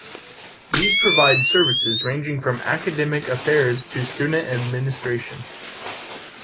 These provide services ranging from academic affairs to student administration.